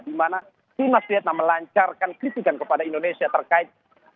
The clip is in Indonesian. di mana timnas vietnam melancarkan kritikan kepada indonesia terkait